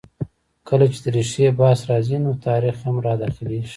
کله چې د ریښې بحث راځي؛ نو تاریخ هم را دا خلېږي.